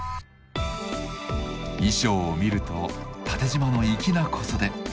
衣装を見ると縦じまの粋な小袖。